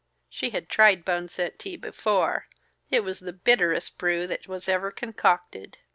She had tried boneset tea before; it was the bitterest brew that was ever concocted.